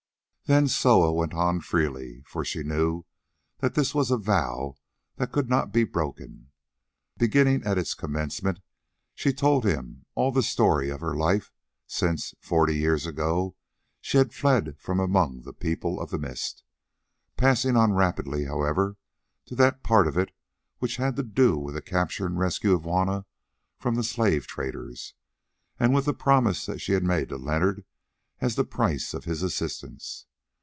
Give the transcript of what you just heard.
Then Soa went on freely, for she knew that this was a vow that could not be broken. Beginning at its commencement, she told him all the story of her life since, forty years ago, she had fled from among the People of the Mist, passing on rapidly, however, to that part of it which had to do with the capture and rescue of Juanna from the slave traders, and with the promise that she had made to Leonard as the price of his assistance.